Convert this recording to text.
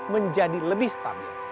menjadi lebih stabil